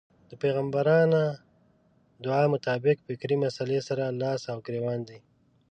دې پيغمبرانه دعا مطابق فکري مسئلې سره لاس و ګرېوان دی.